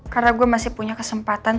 karena gue masih punya kesempatan